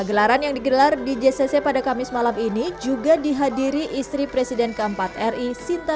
gelaran yang digelar di jcc pada kamis malam ini juga dihadiri istri presiden keempat ri sinta